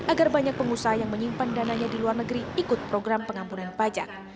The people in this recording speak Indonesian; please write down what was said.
agar banyak pengusaha yang menyimpan dana yang diluar negeri ikut program pengampunan pajak